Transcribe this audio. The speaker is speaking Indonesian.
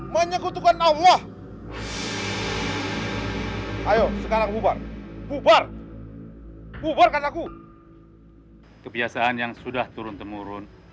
menyekutukan allah ayo sekarang bubar bubar bubarkan aku kebiasaan yang sudah turun temurun